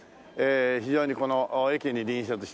非常にこの駅に隣接して。